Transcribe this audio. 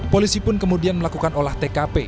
polisi pun kemudian melakukan olah tkp